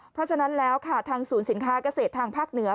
เพราะฉะนั้นแล้วค่ะทางศูนย์สินค้าเกษตรทางภาคเหนือ